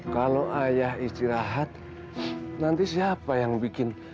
kalau ayah istirahat nanti siapa yang bikin